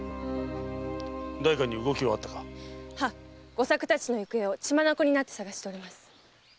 吾作たちの行方を血眼になって捜しております。